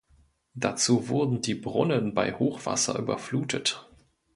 Dazu wurden die Brunnen bei Hochwasser überflutet.